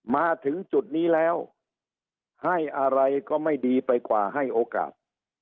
มาถึงจุดนี้แล้วให้อะไรก็ไม่ดีไปกว่าให้โอกาส